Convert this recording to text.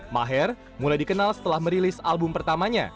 maher mulai dikenal setelah merilis album pertamanya